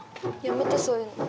やめて、そういうの。